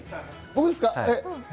僕ですか？